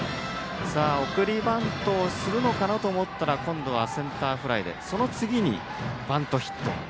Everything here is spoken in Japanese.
送りバントするのかなと思ったら今度はセンターフライでその次にバントヒット。